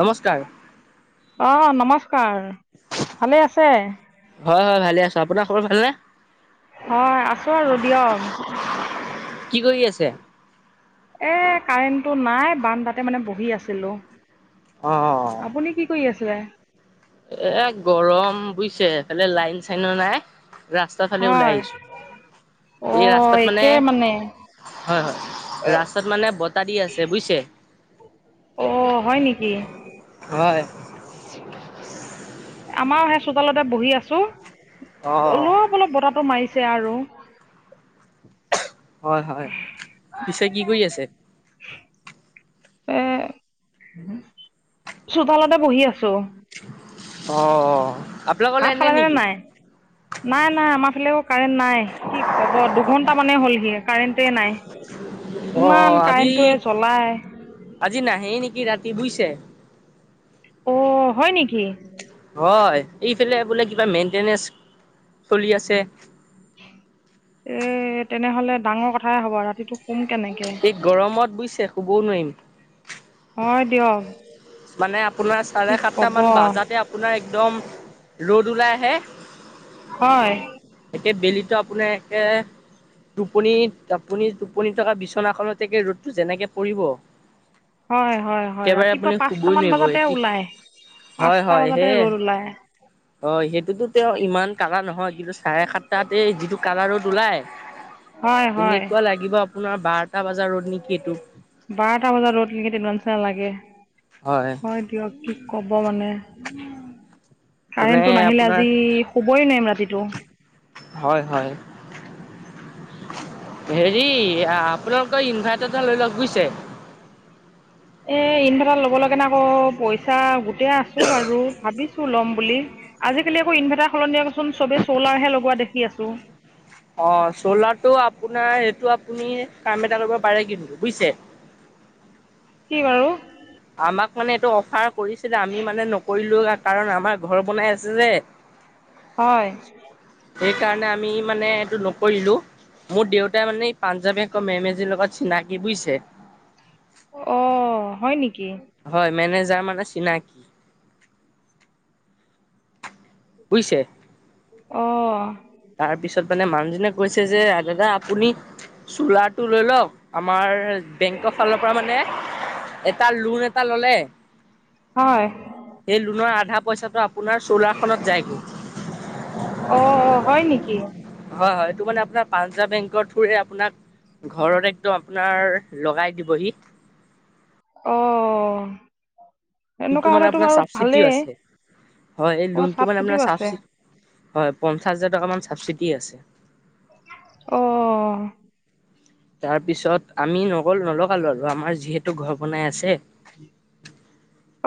[inaudible] নমস্কাৰ। অ নমস্কাৰ, ভালে আছে? হয় হয় ভালে আছো, আপোনাৰ খবৰ ভালনে? হয় আছো আৰু দিয়ক। কি কৰি আছে? এ কাৰেণ্টটো নাই বান তাতে মানে বহি আছিলো। আপুনি কি কৰি আছে? এ গৰম বুজিছে, এইফালে লাইন চাইনো নাই? ৰাস্তাফালে ওলাই হয় আহিছো, অ এই ৰাস্তাত মানে একে হয় হয়, ৰাস্তাত মানে বতাহ দি আছে বুজিছে? অ হয় নিকি? হয়। [inaudible] আমাৰ সেই চোতালতে বহি আছো। অ অ। অলপ অলপ বতাহটো মাৰিছে আৰু। হয়-হয়, পিছে কি কৰি আছে। এ, চোতালতে বহি আছো। অ', আপ ভাত খালেনে নাই, নাই-নাই আমাৰ ফালেও কাৰেণ্ট নাই, কি ক'ব দুঘণ্টামানেই হ'লহি কাৰেণ্টেই নাই। অ ইমান আজি কাৰেণ্টটোয়ে জ্বলাই। আজি নাহেই নেকি ৰাতি বুজিছে? অ হয় নিকি? হয়, এইফালে বোলে কিবা মেইনটেনেঞ্চ চলি আছে। এই তেনেহ'লে ডাঙৰ কথাই হ'ব ৰাতিটো শুম কেনেকে? এই গৰমত বুজিছে শুবও নোৱাৰিম। হয় দিয়ক। মানে আপোনাৰ কি চাৰে সাতটা ক'ব মান বাজাতে আ আপোনাৰ একদম ৰ'দ ওলাই আহে। হয়। একে বেলিতো আপোনাৰ একে টোপনি, টোপনি-টোপনি থকা বিচনাখনতে ৰ'দটো যেনেকে পৰিব। হয় হয়- হয় একেবাৰে ৰাতিপুৱা আপুনি শুবই পাঁচটামান নোৱাৰিব বজাতে এটি ওলাই, পাঁচটা বজাতে ৰ'দ ওলাই। অ', সেইটোতো তেওঁ ইমান কাৰা নহয়, কিন্তু চাৰে সাতটাতে এই যি এইটো কাৰা ৰ'দ ওলাই, হয় হয় এনেকুৱা লাগিব আপোনাৰ বাৰটা বজাৰ ৰ'দ নেকি এইটো। বাৰটা বজাত ৰ'দ নেকি তেনেকুৱা নিচিনা লাগে, হয় দিয়ক। কি ক'ব মানে, মানে কাৰেণ্টটো নাহিলে আপোনাৰ আজি শুবই নোৱাৰিম ৰাতিটো। হয়- হয়। হেৰি, আপোনালোকৰ ইনভাৰ্টাৰ এটা লৈ লওঁক বুইছে। এই ইনভাৰ্টাৰ ল'ব লাগেনে আকৌ পইচা গোটেই আছোঁ বাৰু, ভাবিছ ছো ল'ম বুলি, আজিকালি আকৌ ইনভাৰ্টাৰ সলনি দিয়চোন চবেই চ'লাৰহে লগোৱা দেখি আছোঁ। অ', চ'লাৰটো আপোনাৰ এইটো আপুনি কাম এটা কৰিব পাৰে কিন্তু বুইছে। কি বাৰু? আমাক মানে এইটো অফাৰ কৰিছিলে আমি মানে নকৰিলো কাৰণ আমাৰ ঘৰ বনাই আছে যে। [inaudible] হয়। সেইকাৰণে আমি মানে এইটো নকৰিলো। মোৰ দেউতাই মানে এই পাঞ্জাৱ বেংক এই মেমজিৰ লগত চিনাকি বুইছে। অ', হয় নিকি। হয়, মেনেজাৰ মানে চিনাকি বুইছে। অ'। তাৰপিছত মানে মানুহজনে কৈছে যে দাদা আপুনি চোলাটো লৈ লওঁক আমাৰ বেংকৰ ফালৰ পৰা মানে এটা লোন এটা ল'লে। হয়। সেই লোনৰ আধা পইচাটো আপোনাৰ চ'লাৰ খনত যায়গৈ। অ, হয় নেকি। হয়-হয় এইটো মানে আপোনাৰ পাঞ্জাৱ বেংকৰ থ্ৰুৰে আপোনাক ঘৰত একদম আপোনাৰ লগাই দিবহি। অ'। টো এনেকুৱা মানে হ'লেতো আপোনাৰ বাৰু চাবচিডি ভালেই আছে, হয় এই অ' লোনটো মানে চাবচিটিও আপোনাৰ আছে চাবচি হয়, পঞ্চাছ হাজাৰ টকামান চাবচিটিয়ে আছে। অ'। তাৰপিছত আমি নগলো নলগালো আৰু আমাৰ যিহেতু ঘৰ বনাই আছে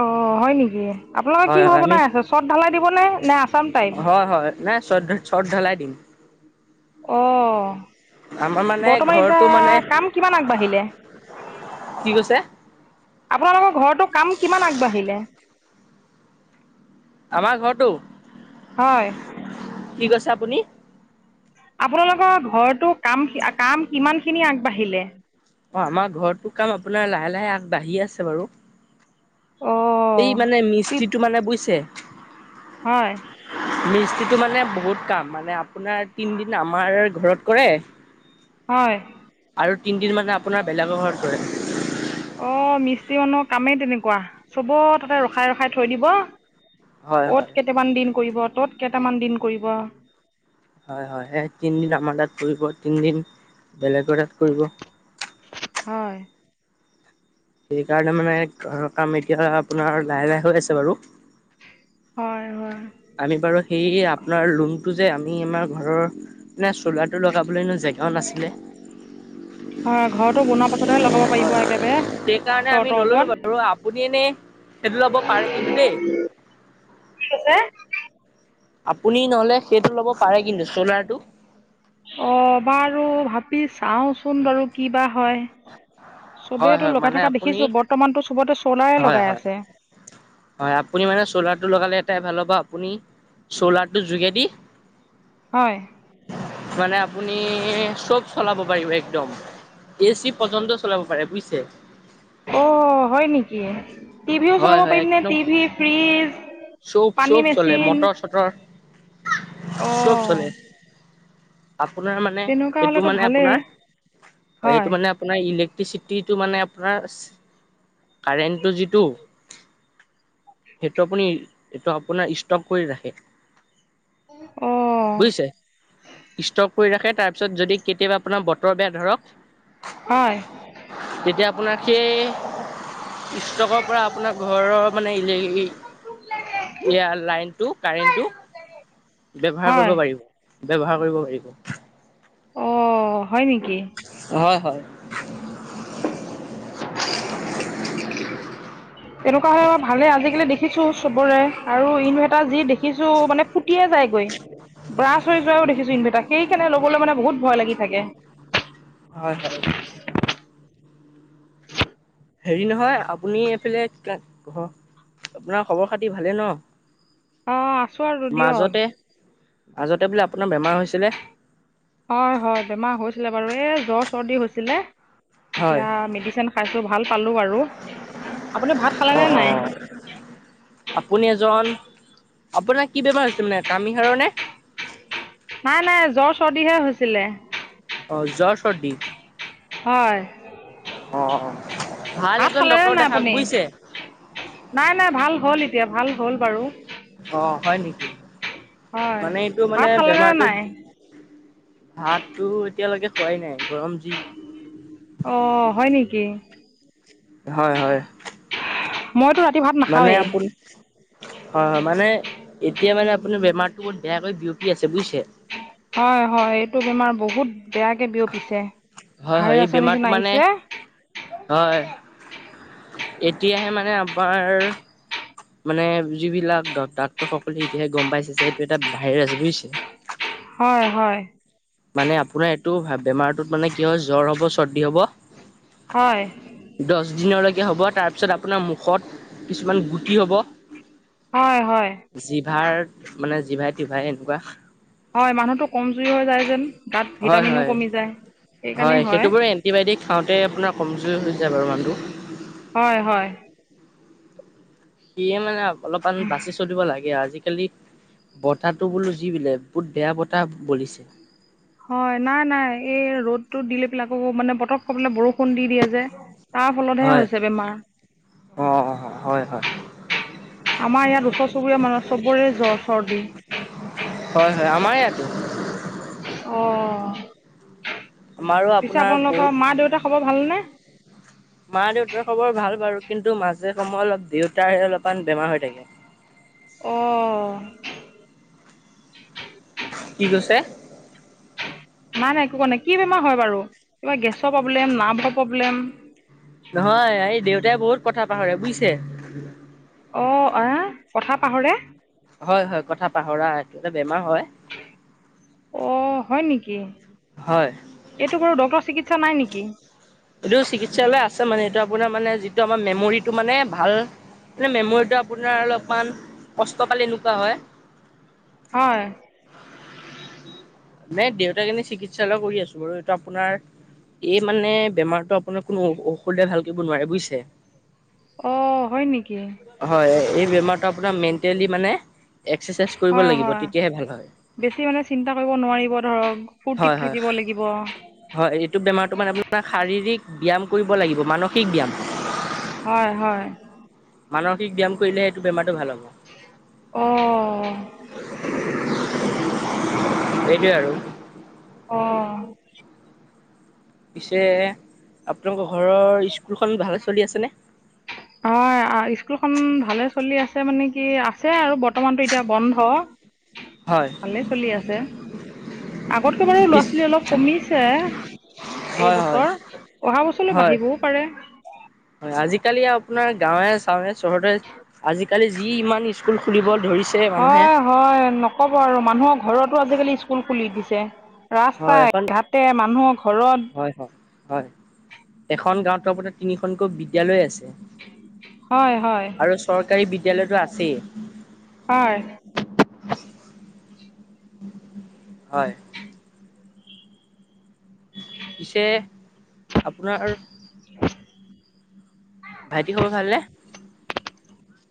অ হয় নেকি আপোনালোকৰ কি হয় হয় ঘৰ আমি বনাই আছে চট ঢালাই দিবনে নে আছাম টাইপ হয় হয় নাই চট চট ঢেলাই দিম অ' আমাৰ মানে বৰ্তমান এতিয়া ঘৰটো মানে কাম কিমান আগবাঢ়িলে? কি কৈছে আপোনালোকৰ ঘৰতো কাম কিমান আগবাঢ়িলে? আমাৰ ঘৰটো। হয়। কি কৈছে আপুনি? আপোনালোকৰ ঘৰটো কাম-কাম কিমানখিনি আগবাঢ়িলে। অ', আমাৰ ঘৰটোৰ কাম আপোনাৰ লাহে- লাহে আগবাঢ়ি আছে বাৰু। এই অ' মানে মিস্ত্ৰীটো মানে বুইছে। হয় মিস্তিটো মানে বহুত কাম মানে আপোনাৰ তিনদিন আমাৰ ঘৰত কৰে [inaudible] হয় আৰু তিনদিন মানে আপোনাৰ বেলেগৰ ঘৰত কৰে। অ মিস্ত্ৰী মানুহ কামেই তেনেকুৱা চব তাতে ৰখাই ৰখাই থৈ দিব। হয় অত হয় কেইটামান দিন কৰিব তত কেইটামান দিন কৰিব হয় হয় সে তিনিদিন আমাৰ তাত কৰিব তিনদিন বেলেগৰ তাত কৰিব হয় সেইকাৰণে মানে কাম এতিয়া আপোনাৰ লাহে লাহে হৈ আছে বাৰু। হয় হয় আমি বাৰু সেই আপোনাৰ লোনটো যে আমি আমাৰ ঘৰৰ মানে চ'লাৰটো লগাবলৈ এনেও জেগাও নাছিলে হয় ঘৰটো বনোৱাৰ পাছতহে লগাব পাৰিব একেবাৰে সেইকাৰণে আমি চৰ্তৰ নললো ওপৰত বাৰু আপুনি এনে সেইটো ল'ব পাৰে কিন্তু দেই কি কৈছে? আপুনি নহলে সেইটো ল'ব পাৰে কিন্তু চলাৰটো। অঁ বাৰু ভাবি চাওচোন বাৰু কিবা হয়। হয় চবেইটো হয় লগাই মানে থকা আপুনি দেখিছো বৰ্তমানতো চবতে চলাৰে হয় লগাই হয় আছে। হয় আপুনি মানে চ'লাৰটো লগালে এটাই ভাল হ'ব আপুনি চলাৰটোৰ যোগেদি- হয় মানে আপুনি চব চলাব পাৰিব একদম। এ চি পৰ্যন্ত চলাব পাৰে বুইছে। অ হয় নেকি, টিভিও হয় চলাব হয় পাৰিম নে একদম টিভি ফ্ৰিজ চব পানী চব চলে মেচিন মটৰ চটৰ। চব চলে অঁ আপোনাৰ মানে সেইটো হ'লেতো মানে ভালেই আপোনাৰ হয় সেইটো মানে- আপোনাৰ ইলেক্ট্ৰিচিটিটো মানে আপোনাৰ কাৰেণ্টটো যিটো- সেইটো আপুনি এইটো আপোনাৰ ষ্টক কৰি ৰাখে। অ বুইছে ষ্টক কৰি ৰাখে তাৰপিছত যদি কেতিয়াবা আপোনাৰ বতৰ বেয়া ধৰক। হয় তেতিয়া আপোনাক সেই ষ্টকৰ পৰা আপোনাৰ ঘৰৰ মানে ইলে [unintelligible] এয়া লাইনটো কাৰেণ্টটো ব্যৱহাৰ হয় কৰিব পাৰিব ব্যৱহাৰ কৰিব পাৰিব। অ হয় নেকি? হয় হয় [unintelligible] তেনেকুৱা হ'লে আকৌ ভালে। আজিকালি দেখিছোঁ চবৰে। আৰু ইনভেৰ্টাৰ যি দেখিছো। মানে ফুটিয়ে যায়গৈ। ব্ৰালছ হৈ যোৱাও দেখিছো ইনভেটা। সেইকাৰণে লব মানে বহুত ভয় লাগি থাকে। হয় হয় হয় [unintelligible] হেৰি নহয় আপুনি এইফালে ঘ আপোনাৰ খবৰ খাতি ভালে ন অ' আছোঁ আৰু দিয়ক মাজতে মাজতে বোলে আপোনাৰ বেমাৰ হৈছিলে। হয় হয় বেমাৰ হৈছিলে বাৰু এই জ্বৰ চৰ্দি হৈছিলে হয়। এতিয়া মেডিচিন। খাইছোঁ ভাল পালোঁ বাৰু আপুনি ভাত অ খালেনে নাই। অ আপুনি এজন আপোনাৰ কি বেমাৰ হৈছে মানে কামিহাড়ৰ নে- নাই নাই জ্বৰ চৰ্দিহে হৈছিলে অ জ্বৰ, চৰ্দি। হয়। অ। ভাল ভাত এজন খালেনে ডক্তৰ নাই দেখাওক। আপুনি বুজিছে? নাই নাই ভাল হ'ল এতিয়া। ভাল হ'ল বাৰু। অ হয় নেকি? হয় মানে এইটো মানে ভাত খালেনে বেমাৰটো নাই ভাতো এতিয়ালৈকে খোৱাই নাই গৰম যি। অ হয় নেকি? হয় হয়। মইতো ৰাতি ভাত- মানে নাখাওঁৱেই আপুনি? হয় হয়। মানে এতিয়া মানে আপোনাৰ বেমাৰটো বহুত বেয়াকৈ বিয়পি আছে বুজিছে? হয় হয় এইটো বেমাৰ বহুত বেয়াকে বিয়পিছে। হয় হয় এই ভাইৰাছৰ বেমাৰটো নিচিনা মানে আহিছে। হয়। এতিয়াহে মানে আমাৰ মানে যিবিলাক ড ডাক্তৰ সকলে এতিয়াহে গম পাইছে যে সেইটো এটা ভাইৰাছ। বুজিছে? হয়- হয়। মানে আপোনাৰ এইটো বেমাৰটোত মানে কি হয় জ্বৰ হ'ব, চৰ্দি হ'ব হয়। দছ দিনলৈকে হব তাৰপিছত আপোনাৰ মুখত কিছুমান গুটি হব হয় -হয়। জিভাৰ মানে জিভাই- টিভাই এনেকুৱা হয় মানুহটো কমজুৰি হৈ যায় যেন গাত হয় ভিটামিনো হয় কমি যায় সেইকাৰণেই হয়। এন্তি বাইটিক খাওঁতে আপোনাৰ কমজুৰি হৈ যায় বাৰু মানুহটো। হয় -হয়। সিয়ে মানে অলপমান বাচি চলিব লাগে। আজিকালি বতাহটো বোলো যি বিলে বহুত বেয়া বতাহ বলিছে। হয় নাই -নাই এই ৰ'দটো দিলে পিলে আকৌ মানে পতক কবলে বৰষুণ দি দিয়ে যে। তাৰ ফলতহে হয় হৈছে বেমাৰ। অ অ হয় হয় আমাৰ ইয়াত উচৰ -চুবুৰীয়া মানুহ চবৰে জ্বৰ, চৰ্দি। হয়- হয়। আমাৰ ইয়াতো। অ', আমাৰো পিছে আপোনাৰ বহুত আপোনালোকৰ মা- দেউতা খবৰ ভালনে? মা- দেউতাৰ খবৰ ভাল বাৰু কিন্তু মাজে সময় অলপ দেউতাৰহে অলপমান বেমাৰ হৈ থাকে। অ', কি কৈছে? নাই- নাই একো কোৱা নাই কি বেমাৰ হয় বাৰু, কিবা গেছৰ প্ৰব্লেম, নাভৰ প্ৰব্লেম? নহয় এই দেউতাই বহুত কথা পাহৰে বুইছে? অ, আ, কথা পাহৰে? হয়- হয় কথা পাহৰা এত এটা বেমাৰ হয়। অ, হয় নেকি? হয় এইটো বাৰু ডক্তৰ চিকিৎসা নাই নেকি? এইটো চিকিৎসালয় আছে মানে এইটো আপোনাৰ মানে যিটো আমাৰ মেমৰিটো মানে ভাল যে মেমৰিটো আপোনাৰ অলপমান কষ্ট পালে এনেকুৱা হয়। হয়। নে দেউতাৰ এনে চিকিৎসালয় কৰি আছোঁ বাৰু এইটো আপোনাৰ এ মানে বেমাৰতো আপোনাৰ কোনো ঔষোধে ভাল কৰিব নোৱাৰে বুইছে? অ, হয় নেকি? হয় এই বেমাৰটো আপোনাৰ মেন্টেলি মানে একচেচাইজ কৰিব হয় লাগিব হয় তেতিয়াহে ভাল হয়।। বেছি মানে চিন্তা কৰিব নোৱাৰিব ধৰক হয় ফূৰ্তিত হয় থাকিব লাগিব। হয় এইটো বেমাৰটো মানে আপোনাৰ শাৰীৰিক ব্যায়াম কৰিব লাগিব মানসিক ব্যায়াম। হয়-হয়। মানসিক ব্যায়াম কৰিলে এইটো বেমাৰটো ভাল হ'ব। অ', [unintelligible] এইটোৱে আৰু। অ', পিছে আপোনালোকৰ ঘৰৰ স্কুলখন ভালে চলি আছেনে? হয়, অহ স্কুলখন ভালে চলি আছে মানে কি আছে আৰু বৰ্তমানটো এতিয়া বন্ধ। হয়। ভালে চলি আছে আগতকে বাৰু এই লৰা- ইচ ছোৱালী অলপ কমিছে। হয় হয় এইবছৰ অহা বছৰলৈ হয় বাঢ়িবও পাৰে। হয় আজিকালি আপোনাৰ গাঁৱে -চাওঁৱে চহৰতে আজিকালি যি ইমান স্কুল খুলিব ধৰিছে মানুহে। হয় হয়, নক'ব আৰু মানুহৰ ঘৰতো আজিকালি স্কুল খুলি দিছে। হয় ৰাস্তাই, এখন ঘাটে মানুহৰ ঘৰত। হয় হয় -হয় এখন গাঁৱতটো আপোনাৰ তিনিখনকৈ বিদ্যালয় আছে। হয়', - হয়', আৰু চৰকাৰী বিদ্যালয়টো আছেই', হয়', হয়', পিছে আপোনাৰ', উম', ভাইটিৰ খবৰ ভালনে?